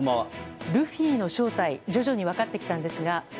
ルフィの正体徐々に分かってきたんですが。